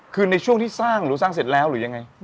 คือในช่วงที่สร้างหรือสร้างเสร็จแล้วหรือยังไง